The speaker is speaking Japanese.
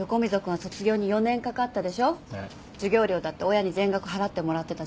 授業料だって親に全額払ってもらってたじゃん。